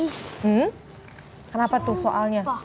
hmm kenapa tuh soalnya